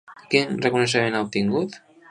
Quin reconeixement ha obtingut?